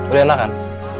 udah enak kan